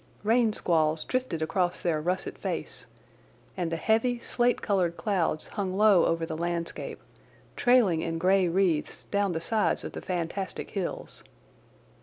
Rain squalls drifted across their russet face, and the heavy, slate coloured clouds hung low over the landscape, trailing in grey wreaths down the sides of the fantastic hills.